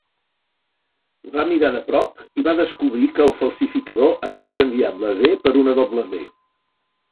Va mirar de prop i va descobrir que el falsificador havia canviat la V per una W.